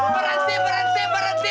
beransi beransi beransi